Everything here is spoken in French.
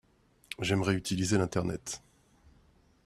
J'aimerais utiliser l'Internet.